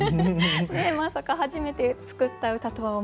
まさか初めて作った歌とは思えない。